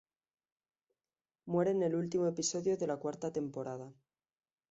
Muere en el último episodio de la cuarta temporada.